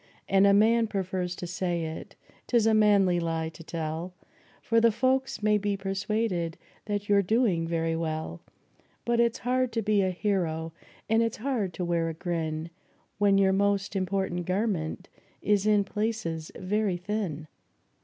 And a man prefers to say it 'tis a manly lie to tell, For the folks may be persuaded that you're doing very well ; But it's hard to be a hero, and it's hard to wear a grin, When your most important garment is in places very thin.